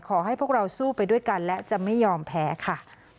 ขอให้พวกเราสู้ไปด้วยกันและจะไม่ยอมแพ้ค่ะ